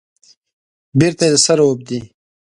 بیرته د سره اوبدي